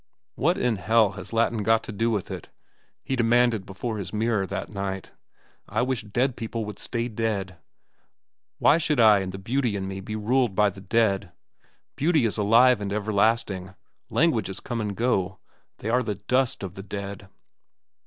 "What in hell has Latin to do with it?" he demanded before his mirror that night. "I wish dead people would stay dead. Why should I and the beauty in me be ruled by the dead? Beauty is alive and everlasting. Languages come and go. They are the dust of the dead."